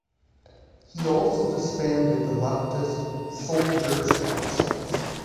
He also disbanded the leftist "soldiers' councils".